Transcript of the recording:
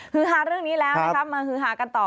คือฮาเรื่องนี้แล้วนะคะมาฮือฮากันต่อ